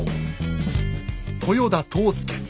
豊田藤助。